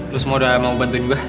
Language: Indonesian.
lu semua udah mau bantuin gue